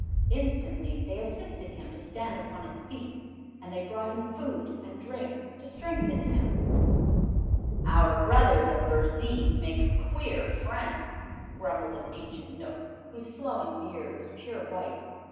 Instantly they assisted him to stand upon his feet, and they brought him food and drink to strengthen him. "Our brothers of Burzee make queer friends," grumbled an ancient Knook whose flowing beard was pure white.